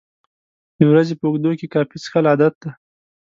د ورځې په اوږدو کې کافي څښل عادت دی.